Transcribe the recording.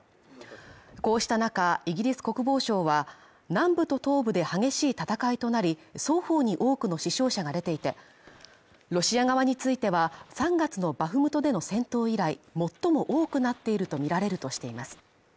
こうした中、イギリス国防省は、南部と東部で激しい戦いとなり双方に多くの死傷者が出ていて、ロシア側については、３月のバフムトでの戦闘以来、最も多くなっているとみられるとしています。